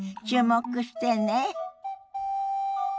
注目してね。